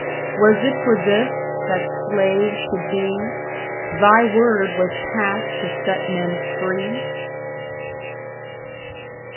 Was it for this that slaves should be Thy word was passed to set men free?